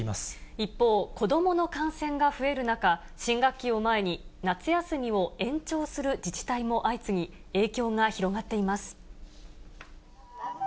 一方、子どもの感染が増える中、新学期を前に夏休みを延長する自治体も相次ぎ、影響が広がっています。